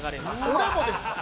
俺もですか？